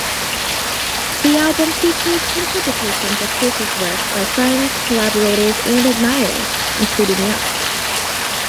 The album features interpretations of Pierce's work by friends, collaborators, and admirers, including Lunch.